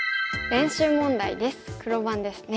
黒番ですね。